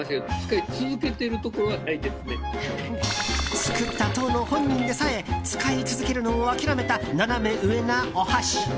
作った当の本人でさえ使い続けるのを諦めたナナメ上なお箸。